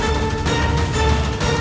jangan lupa untuk berhenti